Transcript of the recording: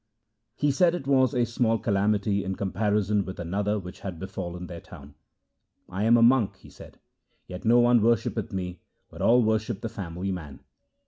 He said it was a small calamity in comparison with another which had befallen their town. ' I am a monk,' he said, ' yet no one worshippeth me, but all worship the family man.